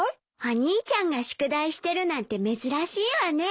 お兄ちゃんが宿題してるなんて珍しいわね。